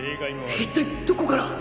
一体どこから！？